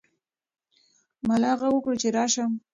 ملا غږ وکړ چې راشه.